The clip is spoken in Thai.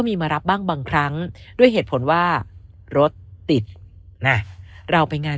มีมารับบ้างบางครั้งด้วยเหตุผลว่ารถติดน่ะเราไปงาน